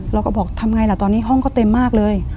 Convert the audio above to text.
แล้วก็เราบอกทำไงน่ะห้องก็เต็มมากเลย